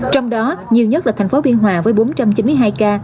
trong đó nhiều nhất là thành phố biên hòa với bốn trăm chín mươi hai ca